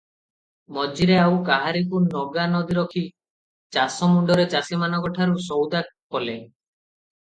ମଝିରେ ଆଉ କାହାରିକୁ ନଗା ନ ରଖି ଚାଷମୁଣ୍ଡରେ ଚାଷୀମାନଙ୍କଠାରୁ ସଉଦା କଲେ ।